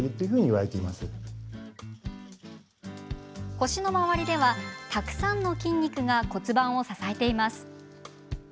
腰の周りでは、たくさんの筋肉が骨盤を支えています。